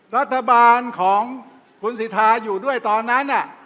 รัฐบาลของคุณสิทธาอยู่ด้วยตอนนั้น